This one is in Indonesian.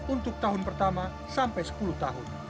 untuk tahun pertama sampai sepuluh tahun